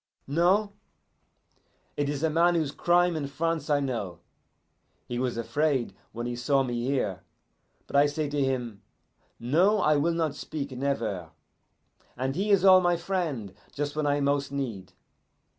No? It is a man whose crime in France I know. He was afraid when he saw me here, but I say to him, 'No, I will not speak never'; and he is all my friend just when I most need.